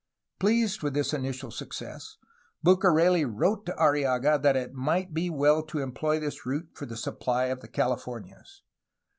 Pleased with this initial success, Bucareli wrote to Arriaga that it might be well to employ this route for the supply of the Californias.